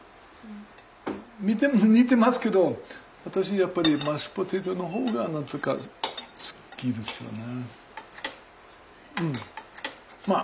似てますけど私やっぱりマッシュポテトの方が何て言うか好きですよね。